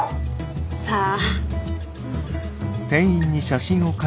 さあ。